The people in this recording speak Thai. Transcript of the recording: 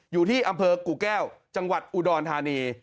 อยู่ที่อำเภอกู่แก้วจังหวัดอุดรธานี